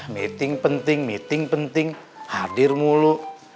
meeting penting meeting penting hadir mulu